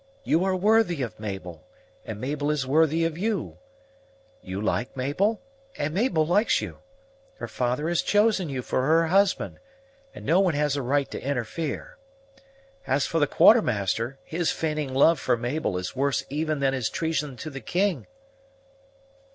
You are worthy of Mabel, and Mabel is worthy of you you like Mabel, and Mabel likes you her father has chosen you for her husband, and no one has a right to interfere. As for the Quartermaster, his feigning love for Mabel is worse even than his treason to the king."